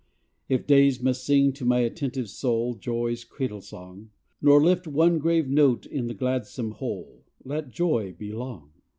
If days must sing to my attentive soul Joy's cradle song, Nor lift one grave note in the gladsome whole, Let joy be long.